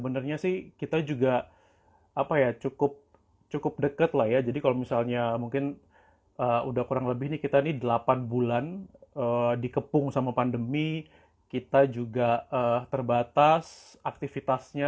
disitu baik gimana kabarnya